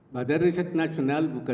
badan riset nasional bukit jawa